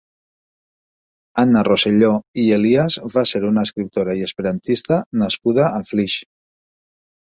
Anna Rosselló i Elias va ser una escriptora i esperantista nascuda a Flix.